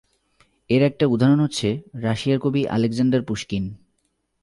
এর একটা উদাহরণ হচ্ছে রাশিয়ার কবি আলেকজান্ডার পুশকিন।